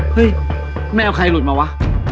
เฮ้ยแม่เอาใครหลุดมาวะ